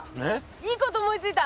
いいこと思いついた。